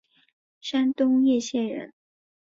山东掖县人。